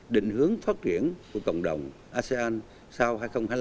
định hướng phát triển của cộng đồng asean sau hai nghìn hai mươi năm